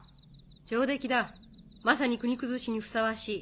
上出来だまさに国崩しにふさわしい。